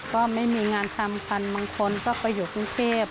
ก็ไม่มีงานทำกันบางคนก็ไปอยู่กรุงเทพ